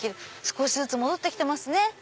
少しずつ戻って来てますね。